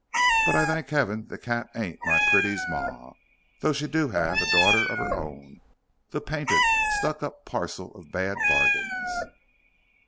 But I thank 'eaven the cat ain't my pretty's mar, though she do 'ave a daughter of her own, the painted, stuck up parcel of bad bargains."